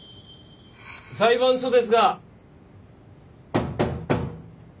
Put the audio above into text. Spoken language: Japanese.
裁判所ですが。